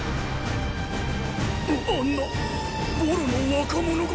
あんなボロの若者が。